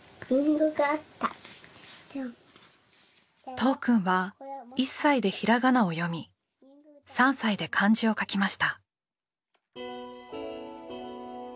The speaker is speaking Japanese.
都央くんは１歳でひらがなを読み３歳で漢字を書きました。